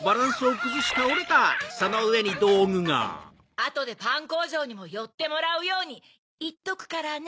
あとでパンこうじょうにもよってもらうようにいっとくからね！